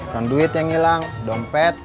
kan duit yang ilang dompet